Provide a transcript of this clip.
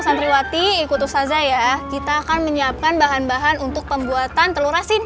santriwati ikuti saja ya kita akan menyiapkan bahan bahan untuk pembuatan telur asin